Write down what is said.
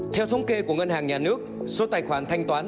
theo thống kê của ngân hàng nhà nước số tài khoản thanh toán